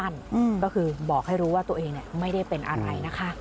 ก็คือบอกให้รู้ว่าตัวเองไม่ได้เป็นอะไรนะคะ